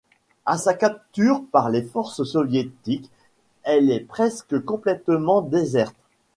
À sa capture par les forces soviétiques, elle est presque complètement déserte.